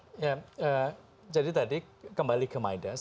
ya jadi tadi kembali ke midas